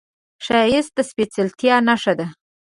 ښایست د سپېڅلتیا نښه ده